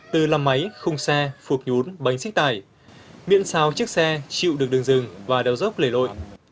từ lầm máy khung xe phục nhún bánh xích tải miệng sao chiếc xe chịu được đường dừng và đèo dốc lầy lội